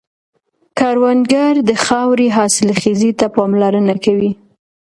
کروندګر د خاورې حاصلخېزي ته پاملرنه کوي